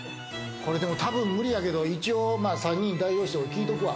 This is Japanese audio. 多分無理やけれども、一応、３人代表して聞いとくわ。